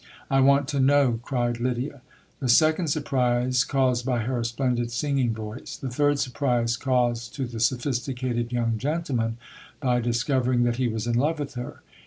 "I want to know!" cried Lydia. The second surprise caused by her splendid singing voice. The third surprise caused to the sophisticated young gentleman by discovering that he was in love with her.